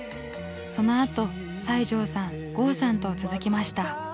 そのあと西城さん郷さんと続きました。